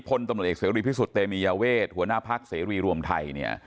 ผลตำแนวเอกเศรษฐฤทธิ์สุธุ์เตมีเวชหัวหน้าภักร์เศรษฐฤทธิ์รวมไทยเนี่ย